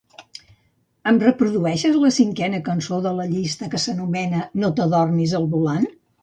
Em reprodueixes la cinquena cançó de la llista que s'anomena "no t'adormis al volant"?